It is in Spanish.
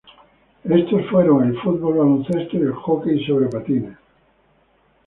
Estos fueron el fútbol, baloncesto y el hockey sobre patines.